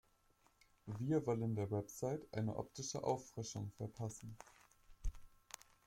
Wir wollen der Website eine optische Auffrischung verpassen.